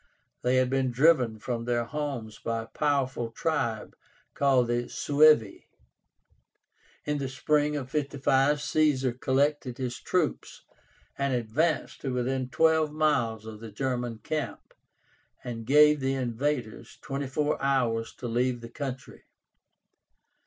They had been driven from their homes by a powerful tribe called the SUEVI. In the spring of 55 Caesar collected his troops and advanced to within twelve miles of the German camp, and gave the invaders twenty four hours to leave the country.